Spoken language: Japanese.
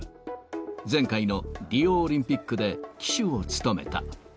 前回のリオオリンピックで旗手を務めた。